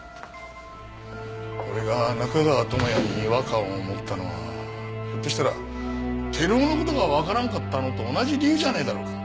俺が中川智哉に違和感を持ったのはひょっとしたら照夫の事がわからんかったのと同じ理由じゃねえだろうか。